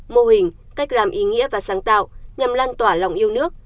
mô hình cách làm ý nghĩa và sáng tạo nhằm lan tỏa lòng yêu nước